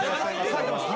描いてます。